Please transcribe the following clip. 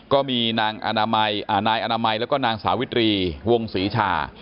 ก็มีนางอนามัยนายอนามัยแล้วก็นางสาวิตรีวงศรีชา